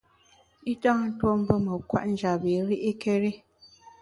I tâ tuo mbù me kwet njap bi ri’kéri.